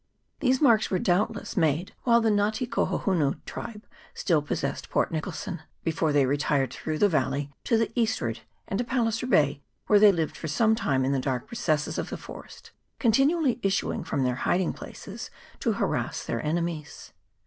These marks were doubtless made while the Nga te Kahohunu tribe still pos sessed Port Nicholson, before they retired through the valley to the eastward, and to Palliser Bay, where they lived for some time in the dark recesses of the forest, continually issuing from their hiding places to harass their enemies.